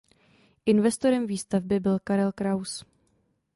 Investorem výstavby byl Karel Kraus.